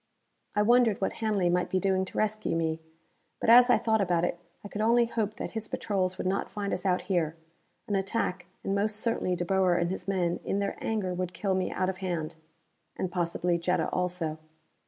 I wondered what Hanley might be doing to rescue me. But as I thought about it, I could only hope that his patrols would not find us out here. An attack and most certainly De Boer and his men in their anger would kill me out of hand. And possibly Jetta also.